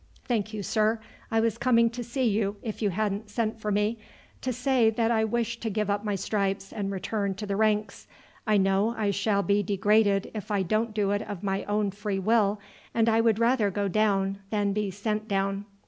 "Thank you, sir. I was coming to see you if you hadn't sent for me, to say that I wished to give up my stripes and return to the ranks. I know I shall be degraded if I don't do it of my own free will, and I would rather go down than be sent down."